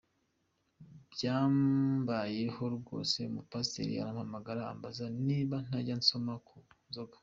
Byambayeho rwose, umupasiteri arampamagara ambaza niba ntajya nsoma ku nzoga.